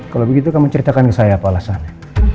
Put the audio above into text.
kalau begitu kamu ceritakan ke saya apa alasannya